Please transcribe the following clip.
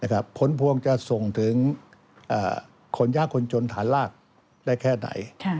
ผลพวงจะส่งถึงคนยากคนจนฐานลากได้แค่ไหน